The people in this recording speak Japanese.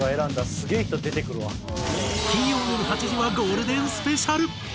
金曜よる８時はゴールデンスペシャル。